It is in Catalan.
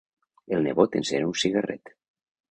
El nebot encén un cigarret.